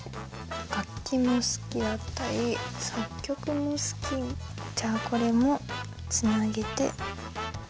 楽器も好きだったり作曲も好きじゃあこれもつなげて。